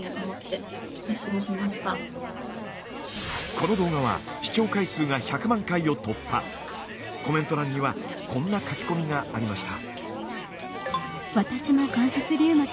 この動画はコメント欄にはこんな書き込みがありました。